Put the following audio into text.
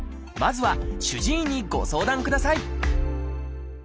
まずは主治医にご相談ください